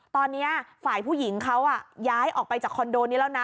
ตอนนี้ฝ่ายผู้หญิงเขาย้ายออกไปจากคอนโดนี้แล้วนะ